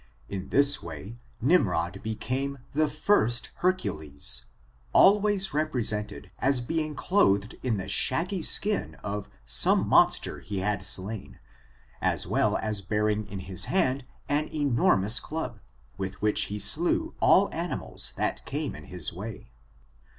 In this way, Nimrod became the first Hercules, always represented as being clothed in the shaggy skin of some monster he had slain, as well as bearing in his hand an enormous club, with which he slew all animals that came in his way — [See plate].